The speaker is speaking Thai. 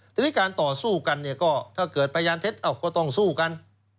ทีนี้การต่อสู้กันเนี่ยก็ถ้าเกิดพยานเท็จก็ต้องสู้กัน